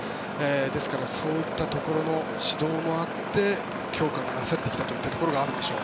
ですので、そういったところの指導もあって強化がなされてきたところもあるんでしょう。